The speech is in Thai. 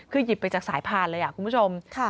คือหยิบไปจากสายพานเลยคุณผู้ชม